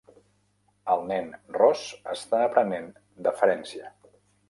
El nen ros està aprenent deferència.